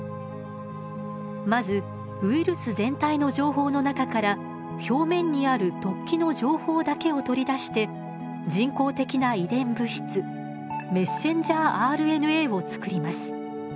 まずウイルス全体の情報の中から表面にある突起の情報だけを取り出して人工的な遺伝物質ｍＲＮＡをつくります。